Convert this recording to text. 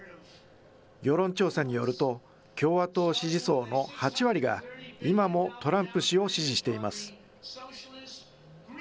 世論調査によると、共和党支持層の８割が、今もトランプ氏を支持しています。